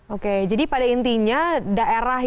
oke jadi pada intinya daerah yang terkenal